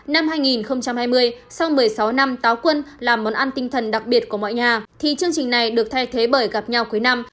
năm hai nghìn hai mươi sau một mươi sáu năm táo quân làm món ăn tinh thần đặc biệt của mọi nhà thì chương trình này được thay thế bởi gặp nhau cuối năm